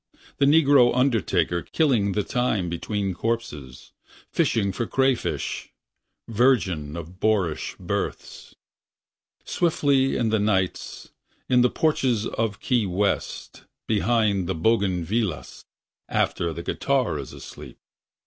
The negro undertaker Killing the time between corpses Fishing for crawfish ... Virgin of boorish births. Swiftly in the nights. In the porches of Key West, Behind the bougainvilleas. After the guitar is asleep.